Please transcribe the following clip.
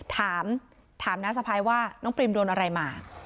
ถามถามน้าสะพ้ายว่าน้องปริมโดนอะไรมา